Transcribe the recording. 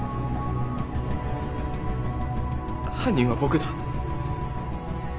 犯人は僕だ。